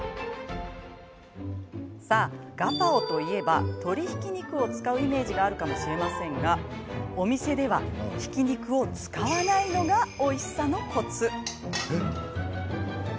さあ、ガパオといえば鶏ひき肉を使うイメージがあるかもしれませんがお店では、ひき肉を使わないのがおいしさのコツ。